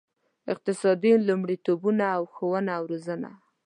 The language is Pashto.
اقتصادي لومړیتوبونه او ښوونه او روزنه.